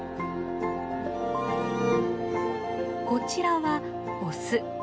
こちらはオス。